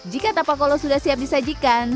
jika tapa kolo sudah siap disajikan